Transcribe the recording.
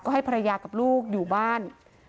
ให้ภรรยากับลูกอยู่บ้าน